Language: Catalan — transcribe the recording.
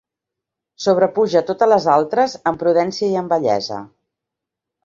Sobrepuja totes les altres en prudència i en bellesa.